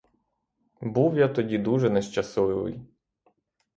Був я тоді дуже нещасливий.